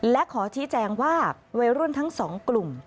และขอชี้แจงว่าวัยรุ่นทั้งสองกลุ่ม